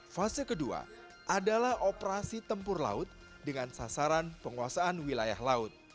fase kedua adalah operasi tempur laut dengan sasaran penguasaan wilayah laut